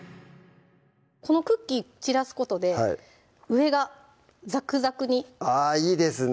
このクッキー散らすことで上がザクザクにあぁいいですね